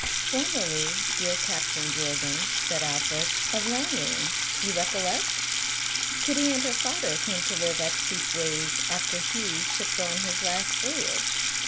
"Formerly, dear Captain Jorgan," said Alfred, "of Lanrean, you recollect? Kitty and her father came to live at Steepways after Hugh shipped on his last voyage."